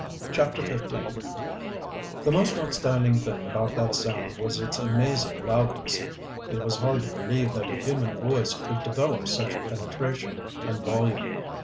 CHAPTER XV The most outstanding thing about that sound was its amazing loudness. It was hard to believe that a human voice could develop such penetration and volume.